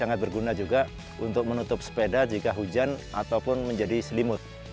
sangat berguna juga untuk menutup sepeda jika hujan ataupun menjadi selimut